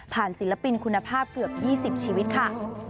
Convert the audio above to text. ศิลปินคุณภาพเกือบ๒๐ชีวิตค่ะ